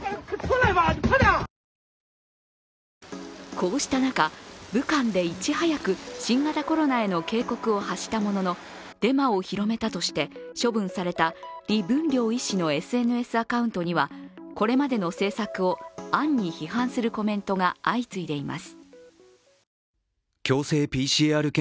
こうした中、武漢でいち早く新型コロナへの警告を発したもののデマを広めたとして処分された李文亮医師のＳＮＳアカウントには、これまでの政策を暗に批判するコメントが相次いでいます。